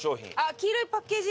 黄色いパッケージ。